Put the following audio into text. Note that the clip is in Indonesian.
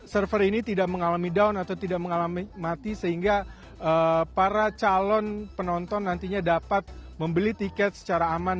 server ini tidak mengalami down atau tidak mengalami mati sehingga para calon penonton nantinya dapat membeli tiket secara aman